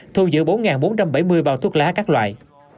thu giữ bốn bốn trăm bảy mươi bao thuốc lá các loại